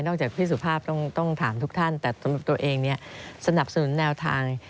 นอกจากพี่สุภาพต้องถามทุกท่านแต่ตัวเองสนับสนุนแนวทาง